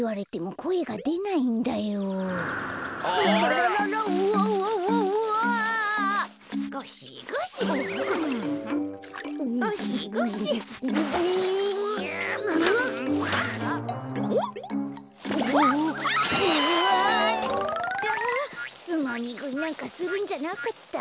こころのこえつまみぐいなんかするんじゃなかった。